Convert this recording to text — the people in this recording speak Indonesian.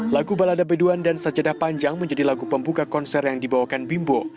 lagu balada beduan dan sajadah panjang menjadi lagu pembuka konser yang dibawakan bimbo